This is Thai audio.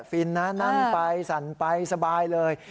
ฟินนะนั่งไปสั่นไปสบายเลย